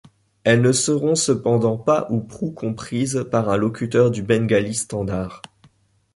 Elles ne seront cependant pas ou prou comprises par un locuteur du bengali standard.